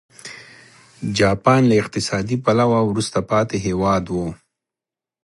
جاپان له اقتصادي پلوه وروسته پاتې هېواد و.